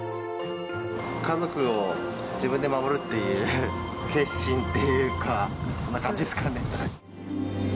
家族を自分で守るっていう決心っていうか、そんな感じですかね。